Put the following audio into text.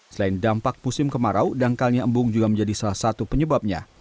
selain dampak musim kemarau dangkalnya embung juga menjadi salah satu penyebabnya